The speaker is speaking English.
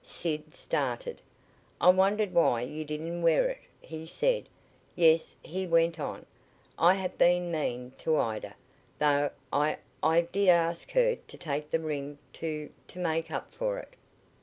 Sid started. "I wondered why you didn't wear it," he said: "Yes," he went on, "I have been mean to Ida, though I I did ask her to take the ring to to make up for it."